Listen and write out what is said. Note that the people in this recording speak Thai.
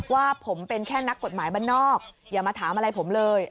ว่าผมเป็นแค่นักกฎหมายบ้านนอกอย่ามาถามอะไรผมเลย